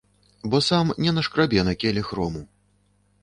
Бо сам не нашкрабе на келіх рому.